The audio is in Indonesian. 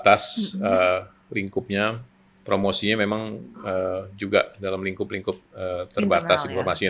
atas lingkupnya promosinya memang juga dalam lingkup lingkup terbatas informasinya